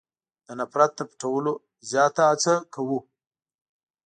د نفرت تر پټولو زیاته هڅه کوو.